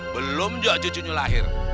belum juga cucunya lahir